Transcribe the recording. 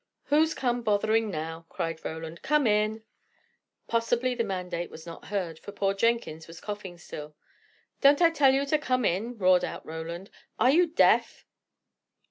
"Who's come bothering now?" cried Roland. "Come in!" Possibly the mandate was not heard, for poor Jenkins was coughing still. "Don't I tell you to come in?" roared out Roland. "Are you deaf?"